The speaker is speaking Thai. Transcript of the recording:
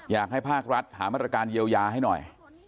อยากให้ภาครัฐหามาตรการเยียวยาให้หน่อย